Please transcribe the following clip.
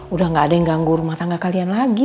udah gak ada yang ganggu rumah tangga kalian lagi